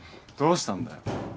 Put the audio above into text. どうしたんだよ？